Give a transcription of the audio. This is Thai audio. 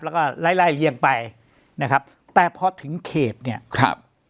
แล้วก็ไล่ไล่เลี่ยงไปนะครับแต่พอถึงเขตเนี่ยครับ